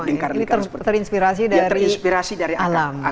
ini terinspirasi dari alam